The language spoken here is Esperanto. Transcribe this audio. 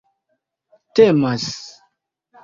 temas